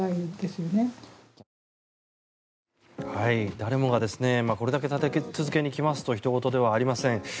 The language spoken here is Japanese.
誰もがこれだけ立て続けに来ますとひと事ではありません。